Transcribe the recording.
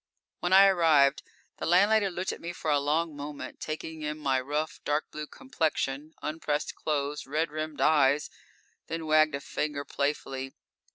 _" When I arrived, the landlady looked at me for a long moment, taking in my rough, dark blue complexion, unpressed clothes, red rimmed eyes, then wagged a finger playfully.